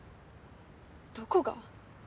どこが？